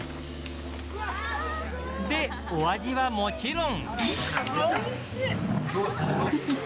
で、お味はもちろん。